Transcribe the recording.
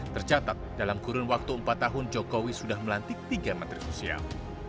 tercatat dalam kurun waktu empat tahun jokowi sudah melantik tiga menteri sosial